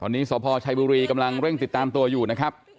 ตอนนี้สพชัยบุรีกำลังเร่งติดตามตัวอยู่นะครับ